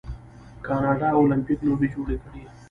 کاناډا المپیک لوبې جوړې کړي.